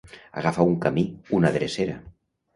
Agafar un camí, una drecera.